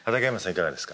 いかがですか？